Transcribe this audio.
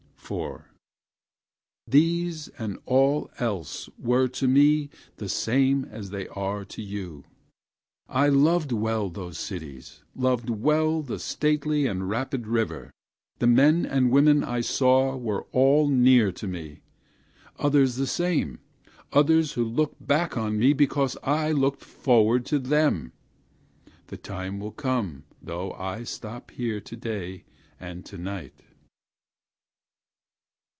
These, and all else, were to me the same as they are to you; I project myself a moment to tell you also I return. I loved well those cities; I loved well the stately and rapid river; The men and women I saw were all near to me; Others the same others who look back on me because I looked forward to them; The time will come, though I stop here to day and to night.